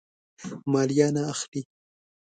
مالیه نه اخلي.